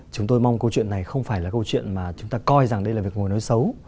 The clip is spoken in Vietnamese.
chúng tôi mong câu chuyện này không phải là câu chuyện mà chúng ta coi rằng đây là việc ngồi nói xấu